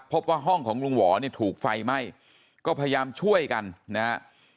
พบว่าห้องของลุงหวอเนี่ยถูกไฟไหม้ก็พยายามช่วยกันนะฮะ